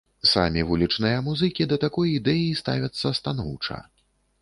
Самі вулічныя музыкі да такой ідэі ставяцца станоўча.